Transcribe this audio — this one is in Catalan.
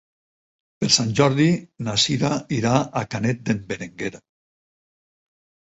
Per Sant Jordi na Sira irà a Canet d'en Berenguer.